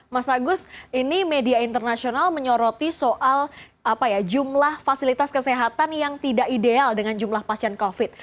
mas agus ini media internasional menyoroti soal jumlah fasilitas kesehatan yang tidak ideal dengan jumlah pasien covid